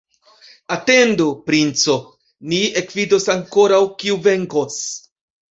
Atendu, princo, ni ekvidos ankoraŭ, kiu venkos!